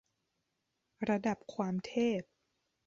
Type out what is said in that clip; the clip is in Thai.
ระดับความเทพ